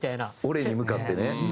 「オレ！」に向かってね。